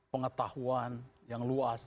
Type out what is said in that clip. pengetahuan yang luas